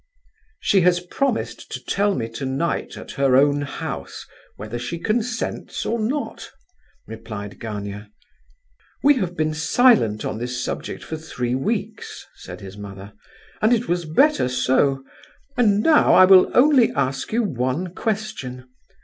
"She has promised to tell me tonight at her own house whether she consents or not," replied Gania. "We have been silent on this subject for three weeks," said his mother, "and it was better so; and now I will only ask you one question.